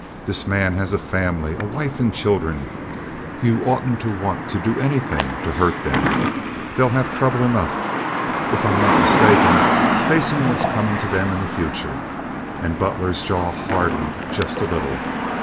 "This man has a family—a wife and children, Ye oughtn't to want to do anythin' to hurt them. They'll have trouble enough, if I'm not mistaken—facin' what's comin' to them in the future," and Butler's jaw hardened just a little.